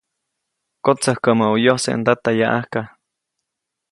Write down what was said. Kotsäjkäʼmä ʼo yojse ndata yaʼajka.